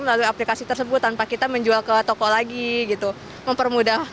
melalui aplikasi tersebut tanpa kita menjual ke toko lagi gitu mempermudah